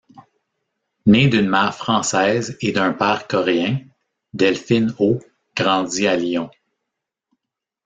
Née d’une mère française et d’un père coréen, Delphine O grandit à Lyon.